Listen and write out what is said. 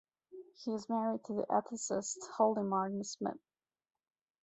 He is married to the ethicist Holly Martin Smith.